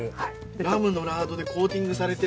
ラムのラードでコーティングされてる。